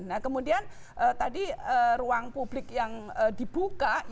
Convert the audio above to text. nah kemudian tadi ruang publik yang dibuka